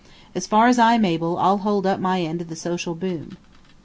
As far as I am able, I'll hold up my end of the social boom."